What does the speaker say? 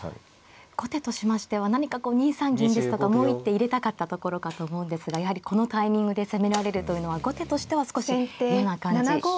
後手としましては何かこう２三銀ですとかもう一手入れたかったところかと思うんですがやはりこのタイミングで攻められるというのは後手としては少し嫌な感じなんでしょうか。